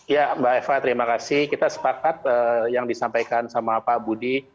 ya mbak eva terima kasih kita sepakat yang disampaikan sama pak budi